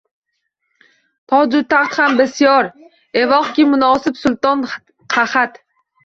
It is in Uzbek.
Toju taxt ham bisyor, evohki, munosib sulton qahat;